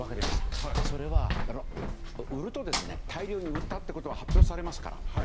それは、売ると大量に売ったということは発表されますから。